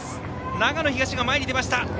長野東が前に出ました。